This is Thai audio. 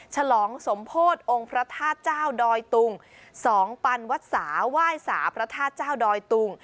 ฉลองสมโพธิ์องค์พระทาทเจ้าดอยตุงสองปัญณวสาห์ไหว้สาห่าพระทาทเจ้าดอยตุง